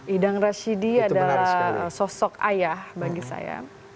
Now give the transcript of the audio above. idang rashidi adalah sosok ayah bagi saya